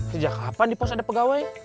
sejak kapan di pos ada pegawai